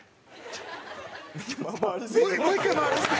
もう一回回らして。